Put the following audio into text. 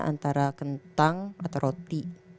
antara kentang atau roti